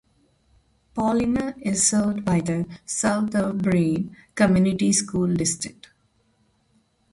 Paullina is served by the South O'Brien Community School District.